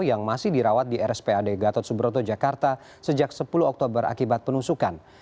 yang masih dirawat di rspad gatot subroto jakarta sejak sepuluh oktober akibat penusukan